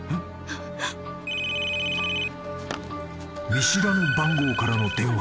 ［見知らぬ番号からの］